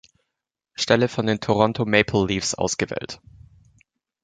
Stelle von den Toronto Maple Leafs ausgewählt.